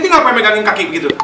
ini tinggal pakai meganik kaki begitu